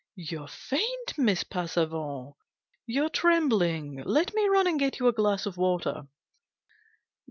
"You're faint, Miss Passavant ! You're trembling ! Let me run and get you a glass of water."